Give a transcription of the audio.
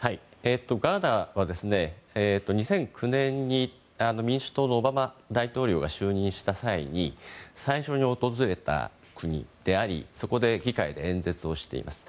ガーナは２００９年に民主党のオバマ大統領が就任した際に最初に訪れた国でありそこで議会で演説をしています。